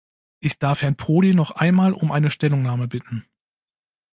Ich darf Herrn Prodi noch einmal um eine Stellungnahme bitten.